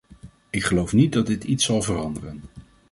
Ik geloof niet dat dit iets zal veranderen.